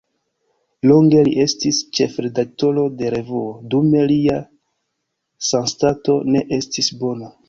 Longe li estis ĉefredaktoro de revuo, dume lia sanstato ne estis bona.